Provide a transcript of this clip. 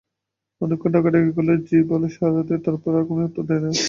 অনেকক্ষণ ডাকাডাকি করলে জ্বি বলে সাড়া দেয়, তারপর আর কোনো উত্তর করে না।